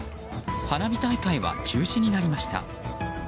花火大会は中止になりました。